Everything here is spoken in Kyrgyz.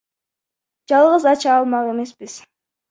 Жалгыз ача алмак эмеспиз.